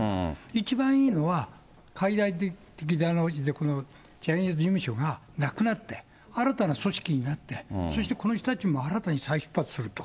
一番いいのは、解体的出直しで、このジャニーズ事務所がなくなって、新たな組織になって、そしてこの人たちも新たに再出発すると。